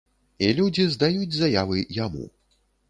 І людзі здаюць заявы яму.